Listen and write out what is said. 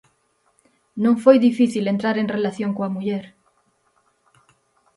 Non foi difícil entrar en relación coa muller.